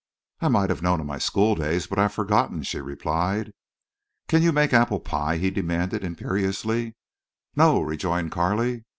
"I might have known in my school days, but I've forgotten," she replied. "Can you make apple pie?" he demanded, imperiously. "No," rejoined Carley.